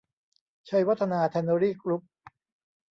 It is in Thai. ชัยวัฒนา แทนเนอรี่ กรุ๊ป